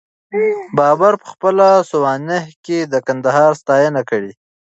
بابر په خپله سوانح کي د کندهار ستاینه کړې ده.